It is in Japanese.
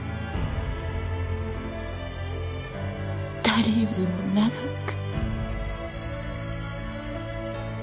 誰よりも長く深く。